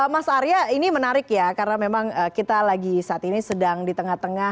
mas arya ini menarik ya karena memang kita lagi saat ini sedang di tengah tengah